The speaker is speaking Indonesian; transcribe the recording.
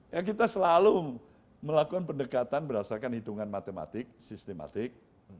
ya kita selalu melakukan pendekatan berdasarkan hitungan matematik sistematik